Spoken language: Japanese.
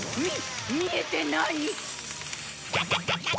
み見えてない！？